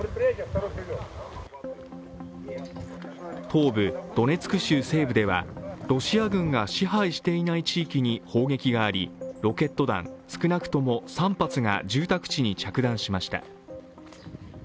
東部ドネツク州西部ではロシア軍が支配していない地域に砲撃があり、ロケット弾少なくとも３発が住宅地に着弾しました。